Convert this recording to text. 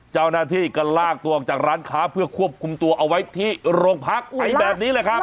เจ้าหน้าที่ก็ลากตัวออกจากร้านค้าเพื่อควบคุมตัวเอาไว้ที่โรงพักไปแบบนี้แหละครับ